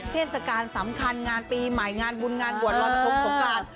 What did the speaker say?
เทศกาลสำคัญงานปีหมายงานบุญงานบวชรรทุกของการ